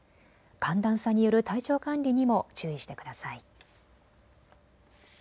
寒暖差による体調管理にも注意してください。